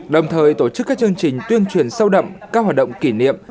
đồng thời tổ chức các chương trình tuyên truyền sâu đậm các hoạt động kỷ niệm